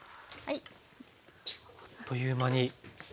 あっという間に。